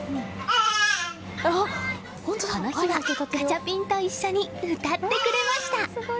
この日はガチャピンと一緒に歌ってくれました。